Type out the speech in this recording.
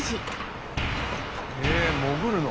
え潜るの？